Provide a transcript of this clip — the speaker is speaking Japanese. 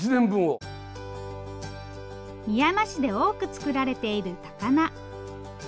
みやま市で多く作られている高菜。